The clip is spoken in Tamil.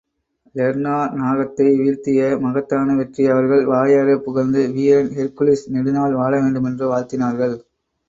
லெர்னா நாகத்தை வீழ்த்திய மகத்தான வெற்றியை அவர்கள் வாயாரப் புகழ்ந்து, வீரன் ஹெர்க்குலிஸ் நெடுநாள் வாழ வேண்டுமென்று வாழ்த்தினார்கள்.